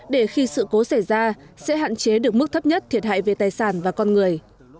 để khi sự cố xảy ra sẽ hạn chế được mức thấp nhất thiệt hại về tài sản và con người